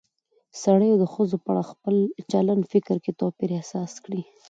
سړيو د ښځو په اړه په خپل چلن او فکر کې توپير احساس کړى